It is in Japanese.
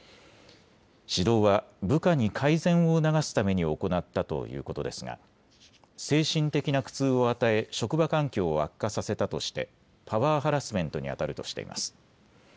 指導は部下に改善を促すために行ったということですが精神的な苦痛を与え職場環境を悪化させたとしてパワーハラスメントにあたるとしています。